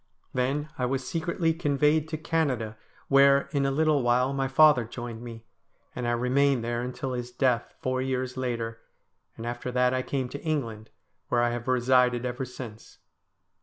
Then I was secretly conveyed to Canada, where, in a little while, my father joined me, and I remained there until his death, four years later, and after that I came to England, where I have resided ever since.